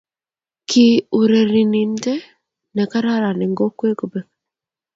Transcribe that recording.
Kii urereninte ne kararan eng kokwee kobek.